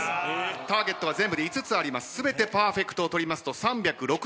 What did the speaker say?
ターゲットは全部で５つあります。